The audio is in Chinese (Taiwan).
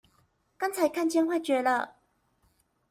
剛才看見幻覺了！